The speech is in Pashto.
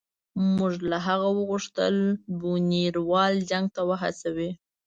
موږ له هغه وغوښتل بونیروال جنګ ته وهڅوي.